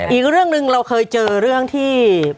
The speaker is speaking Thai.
อีกเรื่องหนึ่งเราเคยเจอเรื่องที่